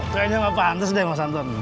kayaknya gak pantas deh mas anton